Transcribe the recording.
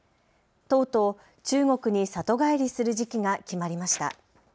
とうとう中国に里帰りする時期が決まりました。